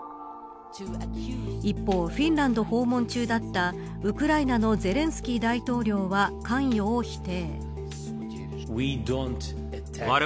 一方、フィンランド訪問中だったウクライナのゼレンスキー大統領は関与を否定。